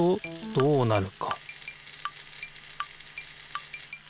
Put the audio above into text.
どうなる？